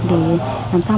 để làm sao